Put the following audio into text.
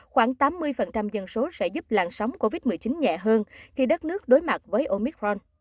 khoảng tám mươi dân số sẽ giúp làn sóng covid một mươi chín nhẹ hơn khi đất nước đối mặt với omicron